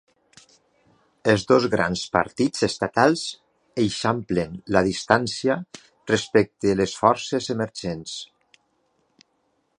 Els dos grans partits estatals eixamplen la distància respecte les forces emergents.